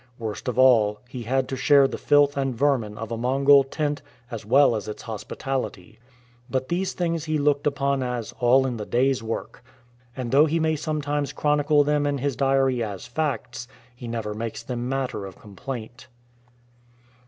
Worst of all, he had to share the filth and vermin of a Mongol tent as well as its hospitality. But these things he looked upon as all "in the day's work ""; and though he may sometimes chronicle them in his diary as facts, he never makes them matter of complaint.